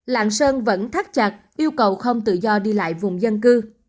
lạng sơn vẫn thắt chặt yêu cầu không tự do đi lại vùng dân cư